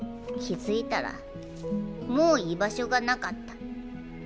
気付いたらもう居場所がなかった。